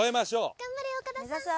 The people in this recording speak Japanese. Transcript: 頑張れ岡田さん。